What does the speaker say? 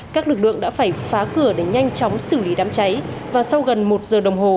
các lực lượng đã phải phá cửa để nhanh chóng xử lý đám cháy và sau gần một giờ đồng hồ